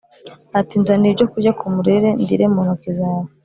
ati “Nzanira ibyokurya ku murere ndīre mu ntoki zawe.”